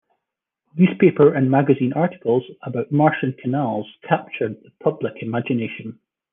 Newspaper and magazine articles about Martian canals captured the public imagination.